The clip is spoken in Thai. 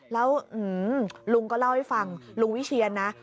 แล้วลุงก็เล่าให้ฟังลุงวิเชียนนะ